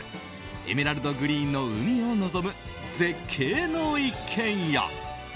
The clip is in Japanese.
エメラルドグリーンの海を望む絶景の一軒家。